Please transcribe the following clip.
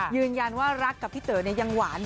ยืนยันว่ารักกับพี่เต๋อยังหวาน